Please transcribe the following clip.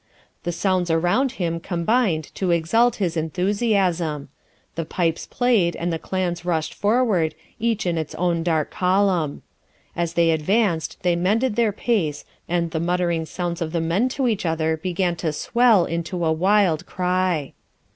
The sounds around him combined to exalt his enthusiasm; the pipes played, and the clans rushed forward, each in its own dark column. As they advanced they mended their pace, and the muttering sounds of the men to each other began to swell into a wild cry.